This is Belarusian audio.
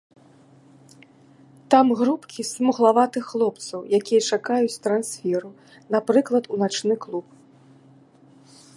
Там групкі смуглаватых хлопцаў, якія чакаюць трансферу, напрыклад, у начны клуб.